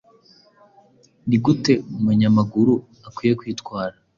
ni gute umunyamaguru akwiye kwitwara